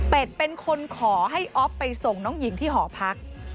เป็นเป็นคนขอให้อ๊อฟไปส่งน้องหญิงที่หอพัก